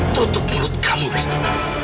tutup mulut kamu wisnu